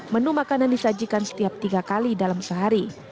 menu makanan disajikan setiap tiga kali dalam sehari